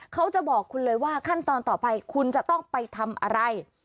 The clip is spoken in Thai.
เขาจะบอกคุณเลยว่าขั้นตอนต่อไปคุณจะต้องไปทำอะไร